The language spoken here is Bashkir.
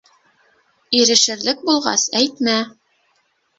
Ирешерлек булғас, әйтмә.